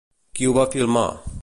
Qui ho va filmar?